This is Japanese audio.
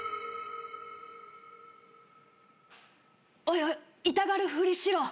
おいおい痛がるふりしろ！